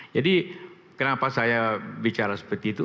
jadi kenapa saya bicara seperti itu